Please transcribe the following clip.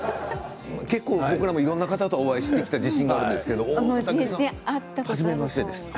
僕らもいろいろな方とお会いしてきた自信があるんですけど、初めましてですね。